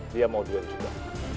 dia mau duan juga